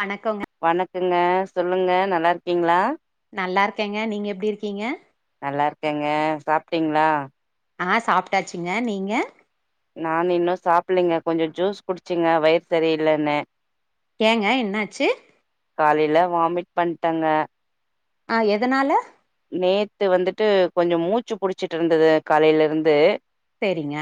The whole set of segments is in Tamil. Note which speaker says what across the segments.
Speaker 1: வணக்கங்க
Speaker 2: வணக்கங்க சொல்லுங்க நல்லா இருக்கீங்களா
Speaker 1: நல்லா இருக்கேங்க நீங்க எப்டி இருக்கீங்க
Speaker 2: நல்லா இருக்கேங்க சாப்டீங்களா
Speaker 1: ஆஹ் சாப்டாச்சுங்க நீங்க
Speaker 2: நா இன்னு சாப்பில்லைங்க கொஞ்சோ ஜூஸ் குடிச்சேங்க வயிறு சரியில்லன்னு
Speaker 1: ஏங்க என்னாச்சு
Speaker 2: காலையில வாமிட் பண்டேங்க
Speaker 1: ஆஹ் எதனால
Speaker 2: நேத்து வந்துட்டு கொஞ்சோ மூச்சு புடிச்சிட்டு இருந்தது காலைல இருந்து
Speaker 1: செரிங்க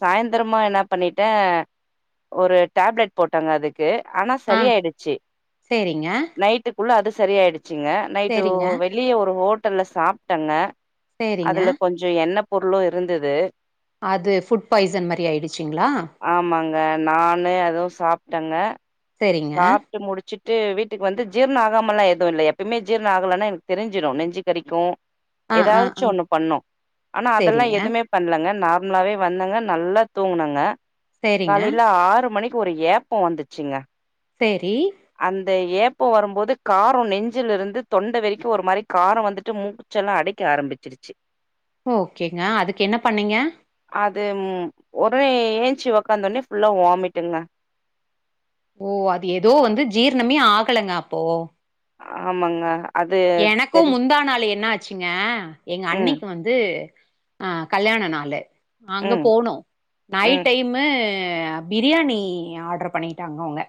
Speaker 2: சாய்ந்தரமா என்ன பண்ணிட்டே ஒரு டேப்லெட் போட்டங்க அதுக் க்கு ஆனா
Speaker 1: ஆ
Speaker 2: சரியாயிடுச்சு
Speaker 1: சேரிங்க
Speaker 2: நைட்டுக் உள்ள அது சரி ஆயிடுச்சுங்க யோ
Speaker 1: சேரிங்க
Speaker 2: வெளிய ஒரு ஹோட் ட்டல்ல சாப்டங்க
Speaker 1: சேரிங்க
Speaker 2: அதுல கொஞ்சோ எண்ணப் பொருளு இருந்தது
Speaker 1: அது ஃபுட் பாய்சன் மாரி ஆயிடுச்சிங்களா
Speaker 2: சாப்டங்க சாப்டு முடிச்சுட் டு வீட்டுக்கு வந்து ஜீரணோ ஆகாமல்லா எதும் இல்ல எப்பயுமே ஜீரணம் ஆகலன்னா எனக்கு தெரிஞ்சிரோ நெஞ்சி கரிக்கோ
Speaker 1: ஆ ஆ ஆ
Speaker 2: ஏதாச்சும் ஒன்னு பண்ணு ஆனா அதெல்லா
Speaker 1: சேரிங்க
Speaker 2: எதுமே பண்ணலங்க நார் ம்லாவே வந்தங்க நல்லா தூங்குனங்க
Speaker 1: சேரிங்க
Speaker 2: காலைல ஆறு மணிக் ப்ப ஒரு ஏப்போ வந்துச்சுங்க
Speaker 1: சேரி
Speaker 2: த ஏப்போ வரும்போது காரோ நெஞ்சில இருந்து தொண்ட வேரிக்கோ ஒரு மாரி காரோ வந்துட்டு மூச்செல்லா அடைக்க ஆரம்பிச்சிருச்சு
Speaker 1: ஓகேங்க அதுக்கென்ன பண்ணீங்க
Speaker 2: அது ம் ஒடனே ஏஞ்சி ஒக்காந்த ஒன்னே ஃபுல்லா வாமிட்டுங்க
Speaker 1: ஓ அது ஏதோ வந்து ஜீர்ணமே ஆகலங்க அப்போ
Speaker 2: ஆமாங்க அது சரி.
Speaker 1: எனக்கும் முந்தா நாள் என்ன ஆச்சுங்க எங்க
Speaker 2: ம்,
Speaker 1: அண்ணிக்கு வந்து ஆஹ் கல்யாண நாளு அங்க
Speaker 2: ம்,
Speaker 1: போனோ நைட்
Speaker 2: ம்.
Speaker 1: டைமு அஹ் பிரியாணி ஆடர் பண்ணிட்டாங்க அவுங்க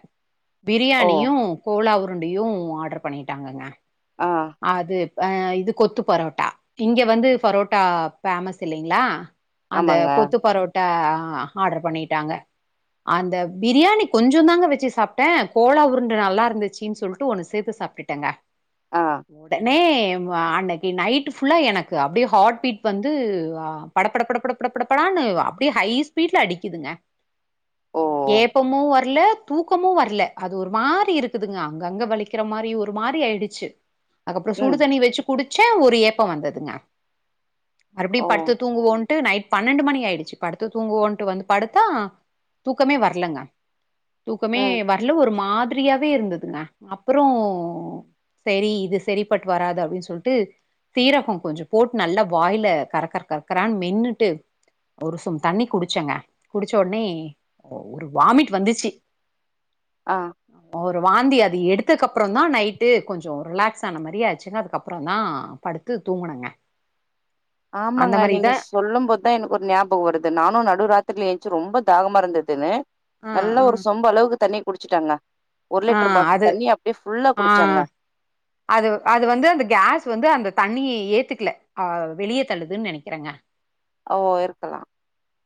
Speaker 2: ஓ!
Speaker 1: பிரியாணியு கோலாவு ரெண்டையு ஆடர் பண்ணிட்டாங்கங்க
Speaker 2: ஆ.
Speaker 1: அது ஆ இது கொத்து பரோட்டா இங்க வந்து பரோட்டா பேமஸ் இல்லிங்களா அந்த
Speaker 2: ஆமாங்க.
Speaker 1: கொத்து பரோட்டா ஆ ஆடர் பண்ணிட்டாங்க அந்த பிரியாணி கொஞ்சோ தாங்க வச்சு சாப்ட்டே கோலா உருண்ட நல்லா இருந்துச்சின்னு சொல்ட்டு ஒண்ணு சேத்து சாப்ட்டுடேங்க
Speaker 2: ஆ.
Speaker 1: உடனே ம்ஆ அன்னைக்கு நைட்டு ஃபுல்லா எனக்கு அப்டியே ஹாட் பீட் வந்து ஹ் படப்பட படக் படக் படப்படான்னு அப்டியே ஹை ஸ்பீட்ல அடிக்குதுங்க
Speaker 2: ஓ!
Speaker 1: ஏப்பமு வர் ல்ல தூக்கமு வரல அது ஒரு மாரி இருக்குதுங்க அங்கங்க வலிக்கிற மாரி ஒரு மாரி ஆயிடுச்சு அதுக்கப்றோ சுடு
Speaker 2: ம்.
Speaker 1: தண்ணி வச்சு குடுச்ச ஒரு ஏப்ப வந்துதுங்க
Speaker 2: ஓ!
Speaker 1: மறுபடியு படுத்து தூங்க வோன் ட்டு நெய்ட் பன்னெண்டு மணி ஆய்டுச்சு படுத்து தூங்கோன்டு வந்து படுத்தா தூக்கமே வரலங்க தூக்கமே
Speaker 2: ம்.
Speaker 1: வரல ஒரு மார் பிரியாவே இருந்துதுங்க அப்றோ செரி இது செரிப்பட்டு வராது அப்டினு சொல்ட்டு சீரக கொஞ்சோ போட்டு நல்லா வாய்ல கறக்கறக் கரான்னு மென்னுட்டு ஒரு சும் தண்ணி குடிச்சங்க குடிச்ச உடனே ஒ ஒர் வாமிட் வந்திச்சு
Speaker 2: ஆ
Speaker 1: ப்றோ வாந்தி அது எடுத்தக்கு அப்றோதா நய்ட்டு கொஞ்சோ ரிலேக்ஸ் தன்ன மாரியாச்சுங்க அதுக்கப்றோதா படுத்து தூங்குணுங்க
Speaker 2: ஆமாங்க நீங்க சொல்லும்போதுதா எனக்கு ஒரு நியாபக வருது நானும் நடுராத்ரில எந் சு ரொம்ப தாகமா இருந்துதுன்னு
Speaker 1: ஆ
Speaker 2: நல்லா
Speaker 1: ஆ
Speaker 2: ஒரு சொம்பு அளவுக்கு தண்ணி குடுச்சுட்டாங்க ஒரு
Speaker 1: ஆ
Speaker 2: லிட்டர் பாட்டில்
Speaker 1: அது
Speaker 2: தண்ணி அப்டியே ஃபுல்லா
Speaker 1: ஆ
Speaker 2: குடிச்சங்க
Speaker 1: அது வ் அது வந்து அந்த கேஸ் வந்து அந்த தண்ணிய் ஏத்துக்கல அஹ் வெளியே தள்ளுதுன்னு நெனைக்கறங்க
Speaker 2: ஓ இருக்கலா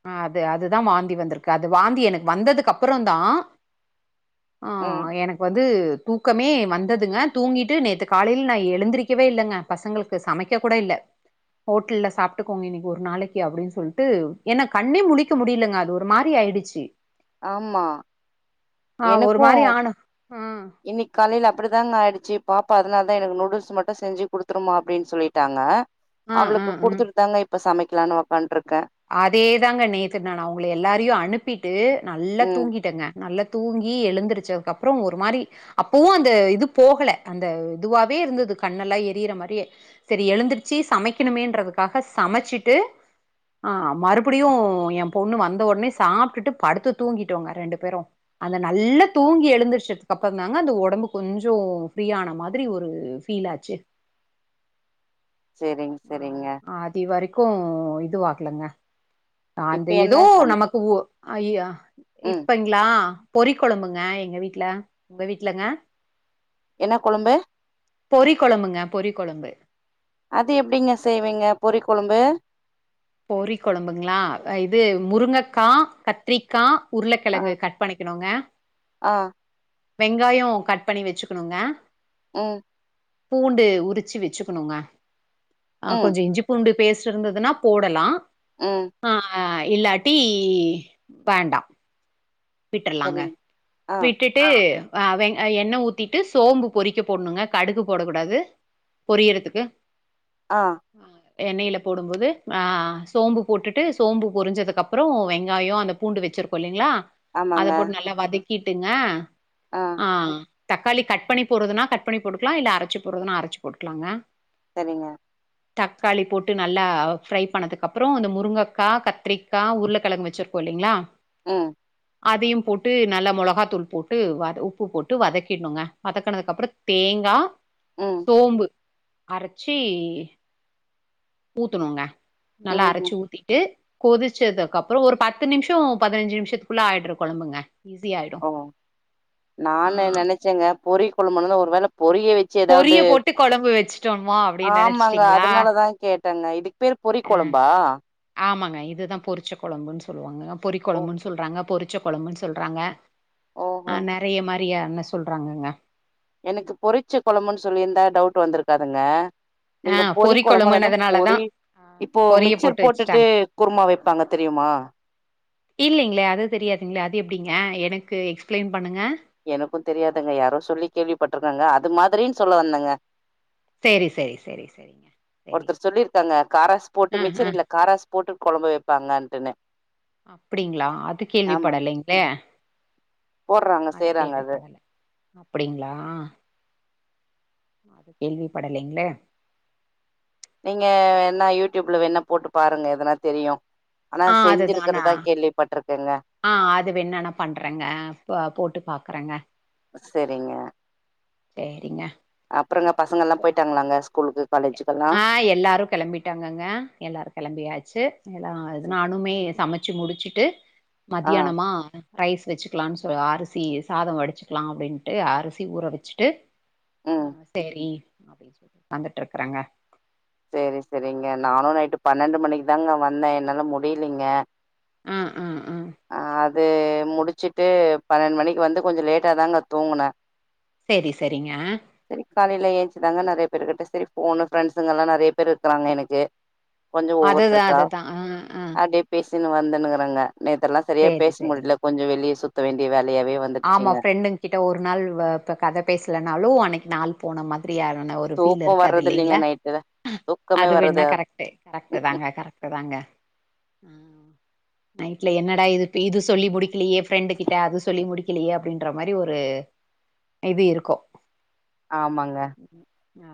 Speaker 1: ஆ அது அதுதா வாந்தி வந்திருக்கு அது வாந்தி எனக்கு வந்ததுக்கு அப்றோதா ஆ
Speaker 2: ம்.
Speaker 1: எனக்கு வந்து தூக்கமே வந்ததுங்க தூங்கிட் ட்டு நேத்து காலில நா எழுந்திரிக்கவே இல்லங்க பசங்களுக்கு சமைக்க கூட இல்ல ஹோட்டல சாப்ட்டுக்கோங்க இன்னைக்கு ஒரு நாளைக்கு அப்டினு சொல்ட்டு ஏன்னா கண்ணே முழிக்க முடிலங்க அது ஒரு மாரி ஆயிடுச்சு
Speaker 2: ஆமா
Speaker 1: ஆ ஒரு
Speaker 2: எனக்கும்
Speaker 1: மாரி ஆனு ம்
Speaker 2: இன்னைக்கு காலில அப்டிதாங்க ஆயிட் ச்சு பாப்பா அதனாலதா எனக்கு நூடுல்ஸ் மட்டு செஞ்சு கொடுத்துருமா அப்டின் சொல்லிட்டாங்க
Speaker 1: ம்
Speaker 2: அவளுக்கு
Speaker 1: ம்
Speaker 2: கொடுத்துட்டு தாங்க இப் இப்ப சமைக்கலான் உக்காண்ட் இருக்கே
Speaker 1: அதே தாங்க நேத்து நா அவங்கள எல்லாரையு அனுப்பிட்டு நல்லா
Speaker 2: ம்.
Speaker 1: தூங்கிட்டங்க நல்லா தூங்கி எழுந்திருசகப்பறோ ஒரு மாரி அப்பவு அந்த இது போகல அந்த இதுவாவே இருந்துது கண்ணெல்லா எரியிற மாரியே செரி எழுந்திருச்சு சமைக்கணுமேன்றதுக்காக சமைச்சிட்டு ஆஹ் மறுபடியு என் பொண்ணு வந்த உடனே சாப்ட்டுட்டு படுத்து தூங்கிட்டோங்க ரெண்டு பேரும் அந்த நல்லா தூங்கி எழுந்தருச்சதுக்கு அப்பறோ தாங்க அந்த உடம்பு கொஞ்சோ ஃப்ரீய ஆன மாதிரி ஒரு ஃபீல்லாச்சு
Speaker 2: சரிங்க,
Speaker 1: ஹ்
Speaker 2: சரிங்க.
Speaker 1: அதி வரைக்கூ இதுவா [unintelligible]
Speaker 2: இப்ப
Speaker 1: அந்த
Speaker 2: என்ன
Speaker 1: ஏதோ
Speaker 2: சம
Speaker 1: நமக்கு ஒ
Speaker 2: ம்.
Speaker 1: இப்பங்களா பொறி கொழம்புங்க எங்க வீட்டுல உங்க வீட்டுலங்க
Speaker 2: என்ன கொழம்பு?
Speaker 1: பொறி கொழம்புங்க பொறி கொழம்பு
Speaker 2: அது எப்டிங்க செய்வீங்க பொறி கொழும்பு
Speaker 1: போரி குழம்புங்களா இது முருங்கக்கா கத்ரிக்கா உருளக்கெழங்கு கட் பண்ணிக்கணுங்க
Speaker 2: ஆஹ்
Speaker 1: வெங்காயோ கட் பண்ணி வச்சுக்கணுங்க
Speaker 2: உம்
Speaker 1: பூண்டு உரிச்சு வச்சுக்கணுங்க ஆஹ்
Speaker 2: ம்,
Speaker 1: கொஞ்சோ இஞ்சி பூண்டு பேஸ்ட் இருந்ததுன்னா போடலா
Speaker 2: உம்
Speaker 1: ஆஹ் இல்லாட்டி வேண்டா விட்டுரலாங்க
Speaker 2: சரிங்க. ஆ,
Speaker 1: விட்டுட்டு ஹ் எண்ண ஊத்திட்டு சோம்பு பொறிக்க போட்ணுங்க கடுகு போடக்க கூடாது பொரியிருதுக்கு ஆ எண்ணெயில் போடும்போது சோம்பு போட்டுட்டு சோம்பு பொரிஞ்சதுக்கப்பறோ வெங்காயோ அந்த பூண்டு வச்சுருக்கோ இல்லைங்களா அத
Speaker 2: ஆமாங்க.
Speaker 1: போட்டு நல்லா வதக் கிட்டுங்க
Speaker 2: ஆ,
Speaker 1: ஆஹ் தக்காளி கட் பண்ணி போடுறதுனா கட் பண்ணி போட்டுக்கலா இல்ல அரைச்சு போடுறதுன்னா அரைச்சு போட்டுக்கலாங்க
Speaker 2: செரிங்க
Speaker 1: தக்காளி போட்டு நல்லா ஃப்ரை பண்ணதுக்கு அப்பறோ இந்த முருங்கைக்கா கத்திரிக்கா உருளைக்கிழங்கு வச்சிருக்கோம் இல்லைங்களா
Speaker 2: ம்
Speaker 1: அதையு போட்டு நல்லா மொளகாத்தூள் போட்டு உப்பு போட்டு வதக்கிட்ணுங்க வதக்கனதுக்கு அப்றோ தேங்காய்
Speaker 2: ம்,
Speaker 1: சோம்பு அரைச்சி ஊத்துனுங்க நல்லா அரச்சு
Speaker 2: ம்ஹ்ம்.
Speaker 1: ஊத்திட்டு கொதிச்சதுக்கப்பறோ ஒரு பத்து நிமிஷோ பதினஞ்சு நிமிஷத்துக் புல் ஆயிட்ர கொழம்புங்க
Speaker 2: ஓ
Speaker 1: ஆ
Speaker 2: நானு நெனைச்சேங்க பொரிக்கொழம்பானதுல ஒருவேளப் பொரிய வச்சு ஏதாவது
Speaker 1: பொரிய போட்டு கொழம்பு வச்சுட்டோமா அப்டின்னு
Speaker 2: ஆமாங்க
Speaker 1: நெனச்சிட்டீங்களா
Speaker 2: அதனாலதா கேட் தன்ன இதுக் பேர் பொரிக்
Speaker 1: அ
Speaker 2: கொழம்பா
Speaker 1: ஆமாங்க இதுதா பொரிச்ச கொழம்புன்னு சொல்லுவாங்க பொரி
Speaker 2: ஓ,
Speaker 1: கொழம்புன்னு சொல்றாங்க பொரிச் ச்ச கொழம்புன்னு சொல்றாங்க
Speaker 2: ஓஹோ!
Speaker 1: அ நறைய மாரி டியான்னு சொல்றாங்கங்க
Speaker 2: எனக்கு பொரிச்ச கொழம்புன்னு சொல்லிருந்தா டவுட் வந்திருக்காதுங்க
Speaker 1: ஆ
Speaker 2: நீங்க பொரி
Speaker 1: பொறி
Speaker 2: கொழம்புனதும்
Speaker 1: கொழம்புனதுனாலதா
Speaker 2: பொரி
Speaker 1: ஆ
Speaker 2: இப்போ
Speaker 1: பொரிய
Speaker 2: மிச்சர்
Speaker 1: போட்டு
Speaker 2: போட்டுட்டு
Speaker 1: வச்சுட்டாங்க
Speaker 2: குருமா வப்பாங்க தெரியுமா
Speaker 1: இல்லைங்களே அது தெரியாதுங்களே அது எப்டிங்க எனக்கு எக்ஸ்பிளைன் பண்ணுங்க
Speaker 2: எனக்கு தெரியதுங்க யாரோ சொல்லி கேள்விப்பட்ருக்காங்க அது மாதிரின்னு சொல்ல வந்தேங்க
Speaker 1: சேரி சேரி சேரி சேரிங்க சேரி
Speaker 2: ஒருத்தர் சொல்லியிருக்காங்க காராஸ்
Speaker 1: ஆ
Speaker 2: போட்டு
Speaker 1: ஆ
Speaker 2: மிச்சர் இல்ல காரஸ் போட்டு குழம்பு வப்பாங்கட்டுன்னு
Speaker 1: அப்படிங்களா அது கேள்வி படலைங்களே
Speaker 2: போடறாங்க செய்யறாங்க அது
Speaker 1: அப்படிங்களா அது கேள்வி படலைங்களே
Speaker 2: நீங்க என்ன யூடிபுல வேன போட்டு பாருங்க எதனா தெரியு ஆனா
Speaker 1: ஆ அதுதானா
Speaker 2: செஞ்சிருக்கிறதா கேள்விப்பட்ருக்கேங்க
Speaker 1: ஆ அது வேனன்னா நா பண்றேங்க ப்ப போட்டு பாக்குறேங்க
Speaker 2: செரிங்க
Speaker 1: சேரிங்க
Speaker 2: அப்புறங்க பசங்க எல்லா போயிட்டாங்களாங்க ஸ்கூலுகு
Speaker 1: ஆ எல்லாரும் கிளம்பிட்டாங்கங்க எல்லாரு கிளம்பியாச்சு எல்லாயிது நானுமே சமச் மச்சு முடிச்சுட்டு
Speaker 2: ஆ
Speaker 1: மத்தியானமா ரைஸ் வச்சுக்கலானு சொ அரிசி சாதோ வடிச்சுக்கலா அப்படின்ட்டு அரிசி ஊற வச்சுட்டு
Speaker 2: ம்
Speaker 1: ஆ சேரி அப்டின்னு சொல்டு வந்துட்டுயிருக்கறங்க
Speaker 2: செரி செரிங்க நானு நைட்டு பன்னெண்டு மணிக்கு தாங்க வந்தேன் என்னால முடிலீங்க
Speaker 1: அ அ அ
Speaker 2: அது முடிச்சிட்டு பன்னெண்டு மணிக்கு வந்து கொஞ்ச லேட்டா தாங்க தூங்குன
Speaker 1: சேரி சேரிங்க
Speaker 2: காலையுல ஏஞ்சிதாங்க நறைய பேருகிட்ட சேரி போனு ஃப்ரண்ட்ஸுகல்லா நறைய பேரு இருக்குறாங்க எனக்கு கொஞ்சோ
Speaker 1: அதுதா
Speaker 2: ஒவ்வொருத்தருக்கா
Speaker 1: அதுதா ஆ ஆ
Speaker 2: அப்டே பேசி இன்னு வந்துன்னுகிறாங்க நீ இதெல்லாம் சரியா
Speaker 1: சேரி
Speaker 2: பேச
Speaker 1: சேரிங்க
Speaker 2: முடியல கொஞ்ச வெளியே சுத் [unintelligible]
Speaker 1: ஆமா ஃப்ரெண்டு கிட்ட ஒரு நாள் கத பேசலனாலும் அன்னக்கு நாள் போன மந்த் ப்ரீயா இல்லனா ஒரு ஃபீல்
Speaker 2: தூக்கோ
Speaker 1: இருக்காது
Speaker 2: வர்றது இல்லைங்க
Speaker 1: இல்லைங்களா
Speaker 2: நைட்டுல தூக்கமே
Speaker 1: அது
Speaker 2: வர்றது
Speaker 1: வேணா கரெக்ட் தாங்க கரெக்ட் தாங்க நைட்ல என்னடா இது இ இது சொல்லி முடிக்கல ஏ ஃப்ரெண்டு கிட்ட அது சொல்லி முடிக் இல்லியே அப்டின்ற மாரி ஒரு இது இருக்கும்
Speaker 2: ஆமாங்க
Speaker 1: ஆ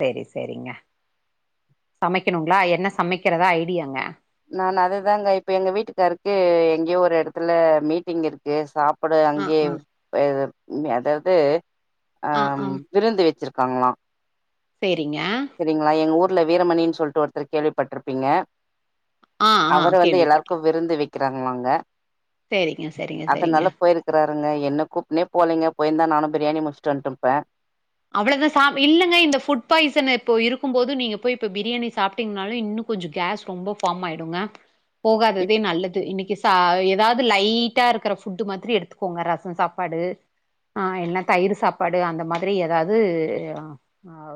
Speaker 1: செரி செரிங்க சமைக்கணுங்களா என்ன சமைக்கிறதா ஐடியாங்க
Speaker 2: நான் அதுதாங்க இப்ப எங்க வீட்டுக்காருக்கு எங்கேயோ ஒரு இடத்துல மீட்டிங் இருக்கு சாப்ப அப்பட
Speaker 1: ஆ
Speaker 2: அங்கேயே
Speaker 1: ஆ
Speaker 2: இது இங்க அதாவது ஆ விருந்து வச்சிரு காங்களலாம்
Speaker 1: செரி
Speaker 2: செரிங்களா எங்க ஊர் ல வீரமணின் சொல்லிட்டு ஒருத்தர் கேள்விப்பட்டிருப்பீங்க
Speaker 1: ஆ ஆ
Speaker 2: அவரு வந்து எல்லாருக்கு விருந்து வை க்கிறாங்களாங்க
Speaker 1: செரிங்க செரிங்க செரிங்க
Speaker 2: ங்க என்ன கூப்பினே போலீங்க போயிருந்தா நானு பிரியாணி முடிச்சுட்டு வந்டுருப்பேன்
Speaker 1: அவ்ளதான் சாப் இல்லங்க இந்த புட் பாய்சன் இப்போ இருக்கு போது நீங்க போய் இப்ப பிரியாணி சாப்பிட்டீங்கனாலு இன்னும் கொஞ்ச கேஸ் ரொம்ப ஃபார்ம் ஆயிடுங்க
Speaker 2: இப்
Speaker 1: போகாததே நல்லது இன்னைக்கு ஏதாவது லைட்டா இருக்கிற ஃபுட்டு் மாரி எடுத்துக்கோங்க ரசம் சாப்பாடு ஆ இல்ல தயிர் சாப்பாடு அந்த மாரி வேறு ஏதாது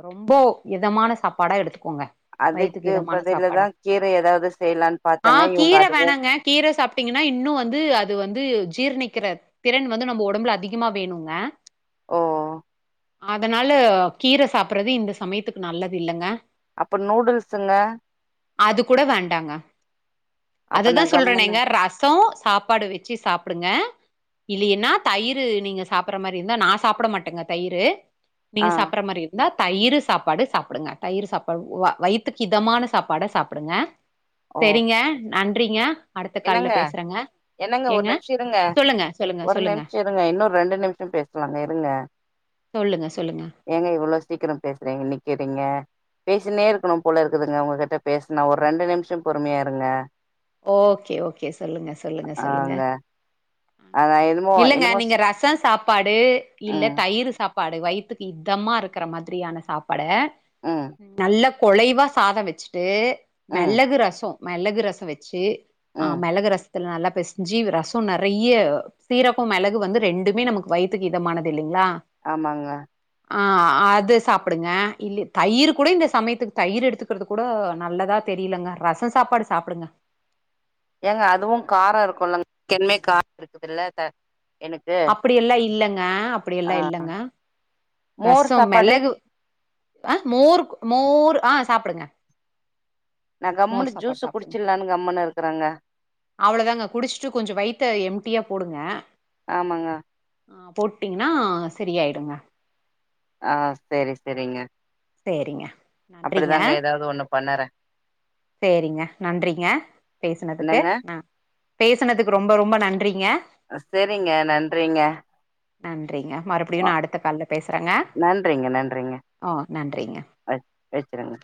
Speaker 1: ரொம்ப இதமான சாப்பாடா எடுத்துகோ போங்க வயத்துக்கு
Speaker 2: அதுக்கு
Speaker 1: இதமான
Speaker 2: பதிலு தா
Speaker 1: சாப்பாடா
Speaker 2: கீர ஏதாவது செய்யலான்னு
Speaker 1: ஆ
Speaker 2: பாத்தேங்க இவங்க
Speaker 1: கீர
Speaker 2: அதுவு
Speaker 1: வேணாங்க கீர சாப்பிட்டீங்கன்னா இன்னும் வந்து அது வந்து ஜீர்ணிக்கிற திறன் வந்து நம்ம உடம்புல அதிகமா வேணுங்க
Speaker 2: ஓ
Speaker 1: அதனால கீர சாப்பறது இந்த சமயத்துக்கு நல்லது இல்லங்க
Speaker 2: அப்ப நூடுல்ஸுங்க அப்ப நா
Speaker 1: அததான்
Speaker 2: கம்முன்னு
Speaker 1: சொல்றேனேங்க ரசம் சாப்பாடு வச்சு சாப் புடுங்க இல்லையன்னா தயிர் நீங்க சாப்படுற மாரி இருந்தா நான் சாப்ட மாட்டேங்க தயிரு
Speaker 2: ஆ
Speaker 1: நீங்க சாப்பற மாரி இருந்தா தயிர் சாப்பாடு சாப்பிடுங்க தயிர் சாப்பாடு வயித்துக்கு இதமான சாப்பாட சாப்புடுங்க
Speaker 2: ஓ
Speaker 1: செரிங்க நன்றிங்க அடுத்த கால்ல
Speaker 2: என்னங்க
Speaker 1: பேசுறேங்க
Speaker 2: என்னங்க ஒரு
Speaker 1: ஏங்க
Speaker 2: நிம்ஷோ இருங்க
Speaker 1: சொல்லுங்க சொல்லுங்க
Speaker 2: ஒரு
Speaker 1: சொல்லுங்க
Speaker 2: நிம்ஷோ இருங்க இன்னொரு ரெண்டு நிமிஷோ பேசலாங்க இருங்க
Speaker 1: சொல்லுங்க சொல்லுங்க
Speaker 2: ஏங்க இவ்வோல சீக்கிரம் பேசுறேங்க நிக்கிறீ க பேசினே இருக்கணு போல இருக்குதுங்க உங்ககிட்ட பேசனா ஒரு ரெண்டு நிமிஷோ பொறுமையா இருங்க
Speaker 1: ஓகே ஓகே சொல்லுங்க சொல்லுங்க சொல்லுங்க
Speaker 2: ஆங்க ஆ என்னமோ
Speaker 1: இல்லங்க
Speaker 2: என்னமோ
Speaker 1: நீங்க
Speaker 2: சொ
Speaker 1: ரசம் சாப்பாடு இல்ல
Speaker 2: ம்
Speaker 1: தயிர் சாப் சாப்பாடு வயிறத்துக்கு இத்தமா இருக்கிற மாதிரியான சாப்பாட
Speaker 2: ம்
Speaker 1: நல்ல குலைவா சாதம் வச்சுட்டு
Speaker 2: ம்
Speaker 1: மெளகு ரசம் மெளகு ரசம் வச் சு ஆஹ்
Speaker 2: ம்
Speaker 1: மெளகுரஸ் இதுல நல்லா பெசிஞ்சு ரசம் நெறய சீரகம் மிளகு வந்து ரெண்டுமே நமக்கு வயித்துக்கு இதமானது இல்லைங்களா
Speaker 2: ஆமாங்க
Speaker 1: ஆஹ் அது சாப்பிடுங்க இல்ல தயிர் கூட இந்த சமயத்துக்கு தயிர் எடுத்துக்கிறது கூட நல்லதா தெரியலங்க ரசம் சாப்பாடு சாப்பிடுங்க
Speaker 2: ஏங்க அதுவும் கார இருக்குலங் கெ கா இருக்குதுல்ல எனக்கு
Speaker 1: அப்படியெல்லாம இல்லங்க
Speaker 2: ஆ
Speaker 1: அப்படியெல்லாம இல்லங்க
Speaker 2: மோர்
Speaker 1: ரசம்
Speaker 2: சாப்பாடு
Speaker 1: மிளகு அஹ மோர் மோர் ஆஹ் சாப்பிடுங்க
Speaker 2: நா கம்மனு ஜூசு குடிச்சிலானு கம்ன்னு இருக்கறாங்க
Speaker 1: அவ்ளோதாங்க குடிச்சிட்டு கொஞ்சோ வயித்த எம்டியா போடுங்க
Speaker 2: ஆமாங்க
Speaker 1: ஆஹ் போட்டீங்கன்னா செரியாயிடுங்க
Speaker 2: ஆஹ் சேரி சேரிங்க
Speaker 1: சேரிங்க நன்றிங்க
Speaker 2: ஒண்ணு பண்ணறே
Speaker 1: சேரிங்க நன்றிங்க பேசுனதுக்கு
Speaker 2: என்னங்க
Speaker 1: ஹ பேசனதுக்கு ரொம்ப ரொம்ப நன்றி
Speaker 2: செரிங்க நன்றிங்க
Speaker 1: நன்றிங்க மறுபடியு நா அடுத்த கால்ல பேசுறேங்க
Speaker 2: நன்றிங்க நன்றிங்க
Speaker 1: ஓ நன்றிங்க
Speaker 2: அ வச் வச்சுருங்க